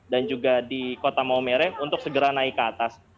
dan juga di kota maumere untuk segera naik ke atas